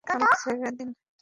আমাদের ছেড়ে দিন।